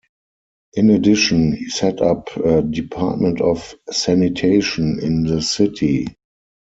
In addition, he set up a department of sanitation in the city.